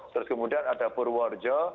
terus kemudian ada purworejo